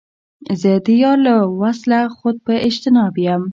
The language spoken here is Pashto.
زه د یار له وصله خود په اجتناب یم